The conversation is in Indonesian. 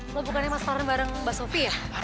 lo bukannya mas faren bareng mbak sofi ya